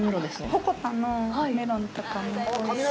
鉾田のメロンとかもおいしい。